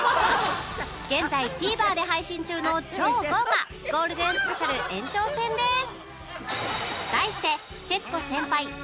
現在 ＴＶｅｒ で配信中の超豪華ゴールデンスペシャル延長戦です！